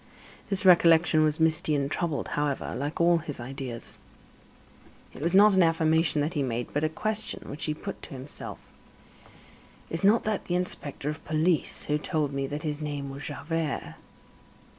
This recollection was misty and troubled, however, like all his ideas. It was not an affirmation that he made, but a question which he put to himself: "Is not that the inspector of police who told me that his name was Javert?"